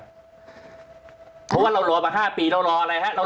เพราะว่าเรารอมา๕ปีเรารออะไรครับ